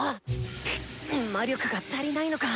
くっ魔力が足りないのか⁉